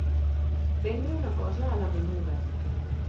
Vendre una cosa a la menuda.